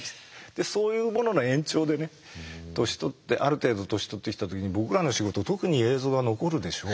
そういうものの延長でね年取ってある程度年取ってきた時に僕らの仕事特に映像が残るでしょう。